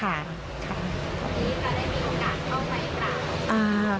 แล้วก็ได้มีโอกาสเข้าไปกลับ